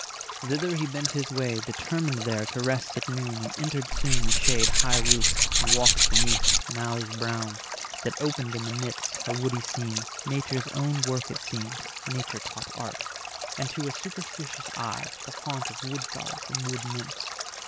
290 Thither he bent his way, determined there To rest at noon, and entered soon the shade High roofed, and walks beneath, and alleys brown, That opened in the midst a woody scene; Nature's own work it seemed (Nature taught Art), And, to a superstitious eye, the haunt Of wood gods and wood nymphs.